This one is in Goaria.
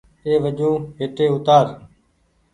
اي وجون هيٽي اوتآر ۔